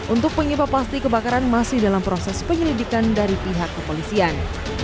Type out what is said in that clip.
untuk penyebab pasti kebakaran masih dalam proses penyelidikan dari pihak kepolisian